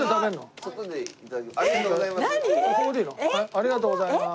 ありがとうございます。